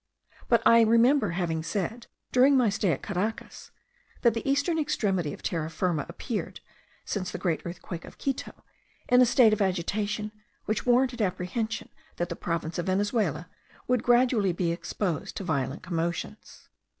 But I remember having said, during my stay at Caracas, that the eastern extremity of Terra Firma appeared, since the great earthquake of Quito, in a state of agitation, which warranted apprehension that the province of Venezuela would gradually be exposed to violent commotions.